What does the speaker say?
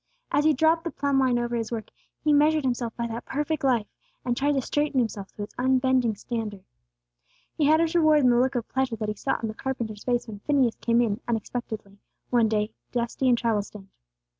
As he dropped the plumb line over his work, he measured himself by that perfect life, and tried to straighten himself to its unbending standard. He had his reward in the look of pleasure that he saw on the carpenter's face when Phineas came in, unexpectedly, one day, dusty and travel stained.